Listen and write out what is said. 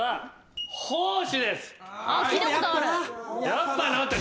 やっぱなって。